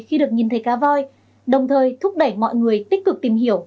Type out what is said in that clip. khi được nhìn thấy cá voi đồng thời thúc đẩy mọi người tích cực tìm hiểu